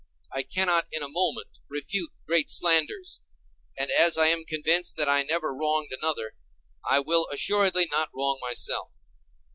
I cannot in a moment refute great slanders; and, as I am convinced that I never wronged another, I will assuredly not wrong myself.